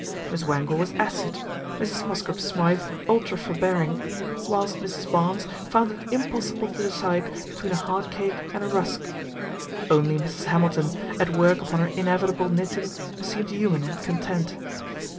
Miss Wangle was acid, Mrs. Mosscrop Smythe ultra forbearing, whilst Mrs. Barnes found it im possible to decide between a heart cake and a rusk. Only Mrs. Hamilton, at work upon her inevitable knitting, seemed human and content.